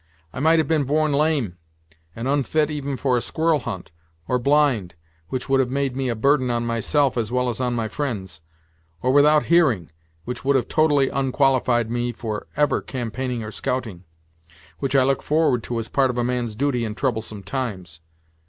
I might have been born lame, and onfit even for a squirrel hunt, or blind, which would have made me a burden on myself as well as on my fri'nds; or without hearing, which would have totally onqualified me for ever campaigning or scouting; which I look forward to as part of a man's duty in troublesome times.